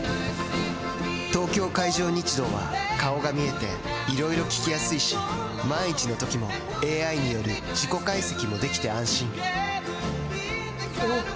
東京海上日動は顔が見えていろいろ聞きやすいし万一のときもＡＩによる事故解析もできて安心おぉ！